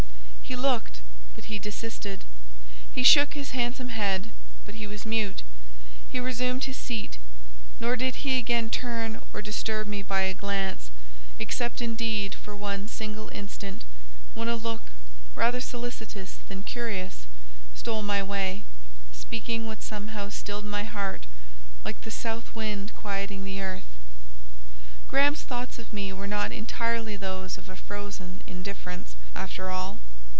He looked, but he desisted. He shook his handsome head, but he was mute. He resumed his seat, nor did he again turn or disturb me by a glance, except indeed for one single instant, when a look, rather solicitous than curious, stole my way—speaking what somehow stilled my heart like "the south wind quieting the earth." Graham's thoughts of me were not entirely those of a frozen indifference, after all.